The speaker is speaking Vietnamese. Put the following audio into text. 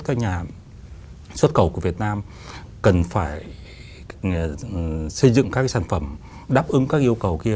các nhà xuất khẩu của việt nam cần phải xây dựng các sản phẩm đáp ứng các yêu cầu kia